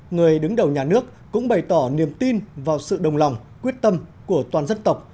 người đứng đầu nhà nước cũng bày tỏ niềm tin vào sự đồng lòng quyết tâm của toàn dân tộc